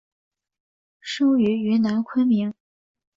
生于云南昆明。